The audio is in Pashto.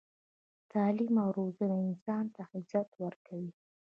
تعلیم او روزنه انسان ته عزت ورکوي.